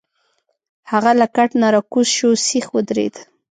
هغه له کټ نه راکوز شو، سیخ ودرید.